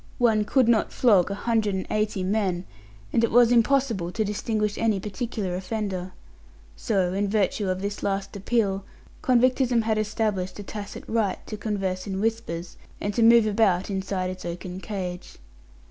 One could not flog a hundred and eighty men, and it was impossible to distinguish any particular offender. So, in virtue of this last appeal, convictism had established a tacit right to converse in whispers, and to move about inside its oaken cage.